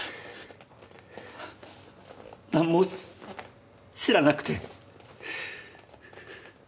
なんも知らなくて。